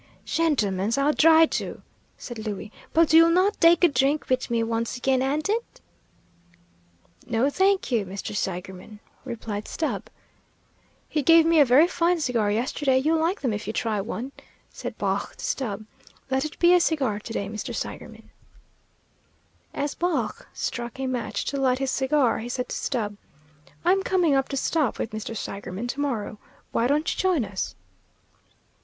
"Shentlemens, I'll dry do," said Louie, "but you will not dake a drink mit me once again, aind it?" "No, thank you, Mr. Seigerman," replied Stubb. "He gave me a very fine cigar yesterday; you'll like them if you try one," said Baugh to Stubb. "Let it be a cigar to day, Mr. Seigerman." As Baugh struck a match to light his cigar, he said to Stubb, "I'm coming up to stop with Mr. Seigerman to morrow. Why don't you join us?"